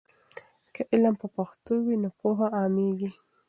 که علم په پښتو وي نو پوهه عامېږي.